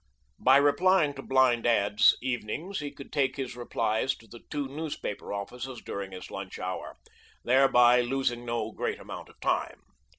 By replying to blind ads evenings he could take his replies to the two newspaper offices during his lunch hour, thereby losing no great amount of time.